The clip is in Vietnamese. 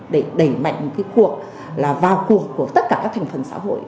để đẩy mạnh một cái cuộc là vào cuộc của tất cả các thành phần xã hội